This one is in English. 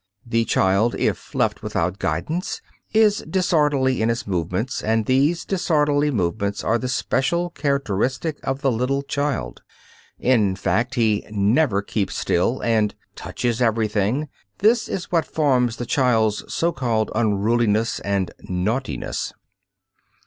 The child, if left without guidance, is disorderly in his movements, and these disorderly movements are the special characteristic of the little child. In fact, he "never keeps still," and "touches everything." This is what forms the child's so called "unruliness" and "naughtiness."